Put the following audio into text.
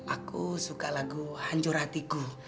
aku suka lagu hancur hatiku